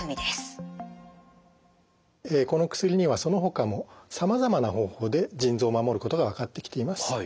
この薬にはそのほかもさまざまな方法で腎臓を守ることが分かってきています。